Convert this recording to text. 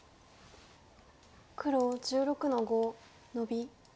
黒１６の五ノビ。